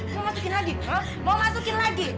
mau masukin lagi mau masukin lagi